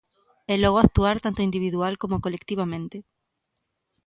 E logo actuar tanto individual como colectivamente.